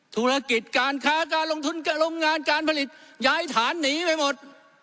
ธุรกิจการค้าการลงทุนกับโรงงานการผลิตย้ายฐานหนีไปหมด